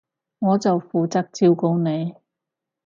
我就負責照顧你